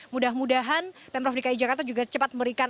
mudah mudahan pemprov dki jakarta juga cepat memberikan